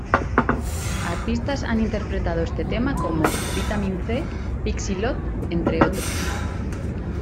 Artistas han interpretado este tema como: Vitamin C, Pixie Lott, entre otros.